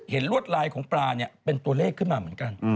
ลวดลายของปลาเนี่ยเป็นตัวเลขขึ้นมาเหมือนกัน